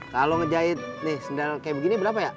kalau ngejahit nih sendal kayak begini berapa ya